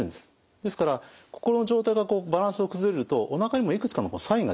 ですから心の状態がバランスを崩れるとおなかにもいくつかのサインが出てくる。